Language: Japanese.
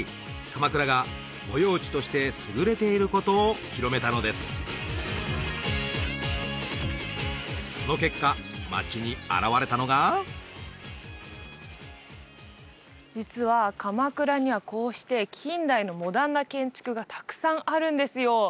鎌倉が保養地として優れていることを広めたのですその結果街に現れたのが実は鎌倉にはこうして近代のモダンな建築がたくさんあるんですよ